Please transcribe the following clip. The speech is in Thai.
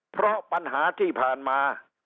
เพราะปัญหาที่ผ่านมา